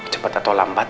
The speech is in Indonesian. cepat atau lambat